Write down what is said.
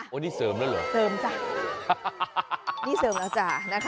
วันนี้เสริมแล้วเหรอเสริมจ้ะนี่เสริมแล้วจ้ะนะคะ